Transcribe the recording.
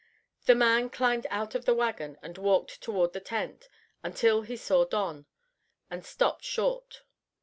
The man climbed out of the wagon and walked toward the tent, until he saw Don, and stopped short.